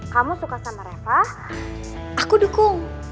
kamu suka sama reva aku dukung